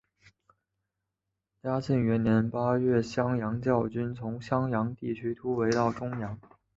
嘉庆元年八月襄阳教军从襄阳地区突围到钟祥。